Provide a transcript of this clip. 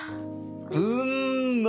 うんま！